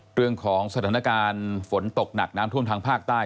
เรื่องของสถานการณ์ฝนตกหนักน้ำท่วมทางภาคใต้